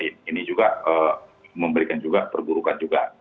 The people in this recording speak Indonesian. ini juga memberikan juga perburukan juga